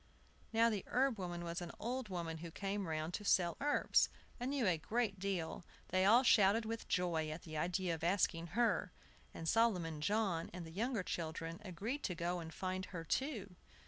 Now, the herb woman was an old woman who came round to sell herbs, and knew a great deal. They all shouted with joy at the idea of asking her, and Solomon John and the younger children agreed to go and find her too.